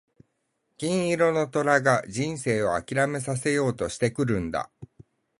金色の虎が人生を諦めさせようとしてくるんだ。